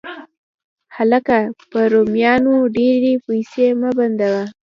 هلکه! په رومیانو ډېرې پیسې مه بندوه